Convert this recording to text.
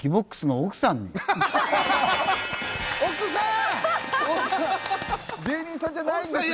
奥さん芸人さんじゃないんですが。